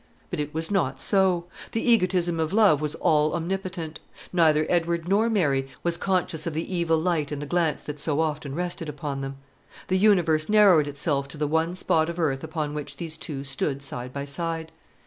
But it was not so; the egotism of love was all omnipotent. Neither Edward nor Mary was conscious of the evil light in the glance that so often rested upon them. The universe narrowed itself to the one spot of earth upon which these two stood side by side.